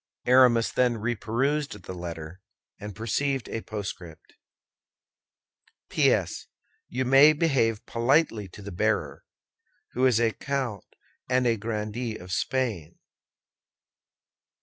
Aramis then reperused the letter, and perceived a postscript: PS. You may behave politely to the bearer, who is a count and a grandee of Spain!